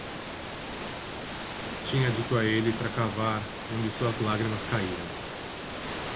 Tinha dito a ele para cavar onde suas lágrimas caíram.